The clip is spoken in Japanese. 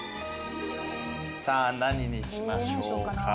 さあ何にしましょうか。